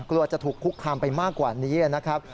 กลัวจะถูกคุกคามไปมากกว่านี้นะครับ